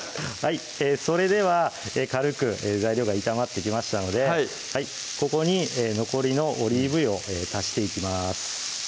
それでは軽く材料が炒まってきましたのでここに残りのオリーブ油を足していきます